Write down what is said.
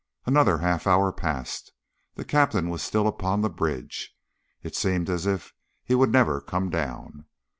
Another half hour passed. The Captain was still upon the bridge. It seemed as if he would never come down.